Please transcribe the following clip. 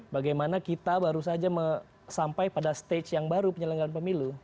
bagaimana kita baru saja sampai pada stage yang baru penyelenggaran pemilu